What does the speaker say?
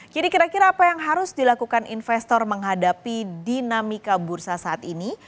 jadi kira kira apa yang harus dilakukan investor menghadapi dinamika bursa saat ini